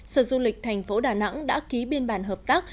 sở du lịch tp đà nẵng đã ký biên bản hợp tác